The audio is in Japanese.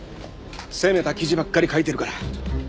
攻めた記事ばっかり書いてるから。